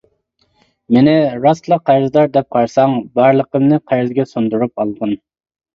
مېنى راستلا قەرزدار دەپ قارىساڭ، بارلىقىمنى قەرزگە سۇندۇرۇپ ئالغىن.